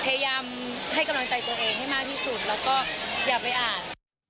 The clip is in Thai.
พยายามให้กำลังใจตัวเองให้มากที่สุดแล้วก็อย่าไปอ่าน